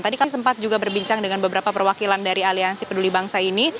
tadi kan sempat juga berbincang dengan beberapa perwakilan dari aliansi peduli bangsa ini